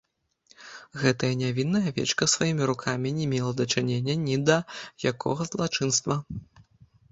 Гэтая нявінная авечка сваімі рукамі не мела дачынення ні да якога злачынства.